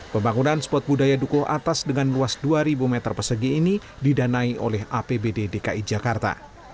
pembangunan spot budaya dukuh atas dengan luas dua meter persegi ini didanai oleh apbd dki jakarta